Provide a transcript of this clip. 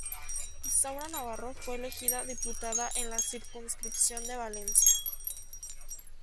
Isaura Navarro fue elegida diputada en la circunscripción de Valencia.